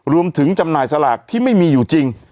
จำหน่ายสลากที่ไม่มีอยู่จริง